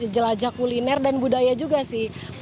jelajah kuliner dan budaya juga sih